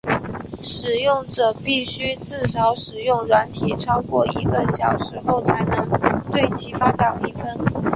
使用者必须至少使用软体超过一个小时后才能对其发表评分。